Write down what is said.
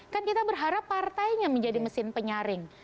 kan kita berharap partainya menjadi mesin penyaring